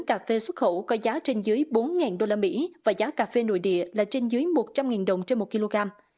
cà phê xuất khẩu có giá trên dưới bốn usd và giá cà phê nội địa là trên dưới một trăm linh đồng trên một kg